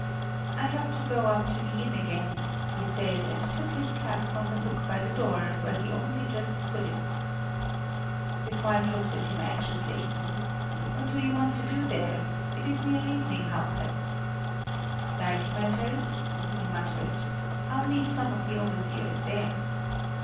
"I have to go up to the inn again," he said, and took his cap from the hook by the door, where he had only just put it. His wife looked at him anxiously. "What do you want to do there? It is near evening, Hauke." "Dike matters!" he muttered. "I'll meet some of the overseers there."